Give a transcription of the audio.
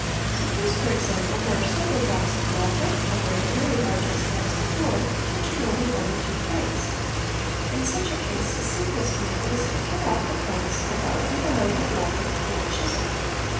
Suppose, for example, there are several drops of blood not covering a very large expanse of floor, touching only one or two planks; in such a case the simplest method is to cut out the planks above and below the blood with a cold chisel.